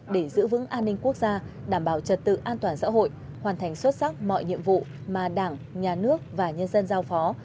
để giữ vững an ninh quốc gia đảm bảo trật tự an toàn xã hội hoàn thành xuất sắc mọi nhiệm vụ mà đảng nhà nước và nhân dân giao phó